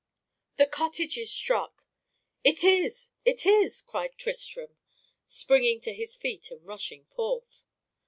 "The cottage is struck!" "It is it is!" cried Tristram, springing to his feet and rushing forth.